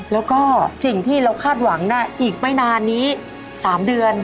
แล้วก็สิ่งที่เราคาดหวังอีกไม่นานนี้๓เดือน